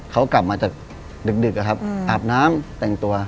เขากลับมาจากดึกอาบน้ำแต่งตัว